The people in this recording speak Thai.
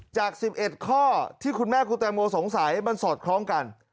จาก๑๑ข้อที่คุณแม่คุณแตงโมสงสัยมันสอดคล้องกัน